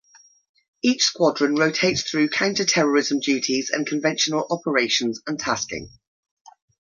Each Squadron rotates through counter terrorism duties and conventional operations and tasking.